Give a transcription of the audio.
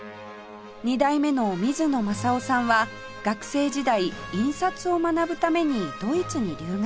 ２代目の水野雅生さんは学生時代印刷を学ぶためにドイツに留学しました